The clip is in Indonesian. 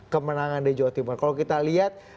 kemenangan di jawa timur kalau kita lihat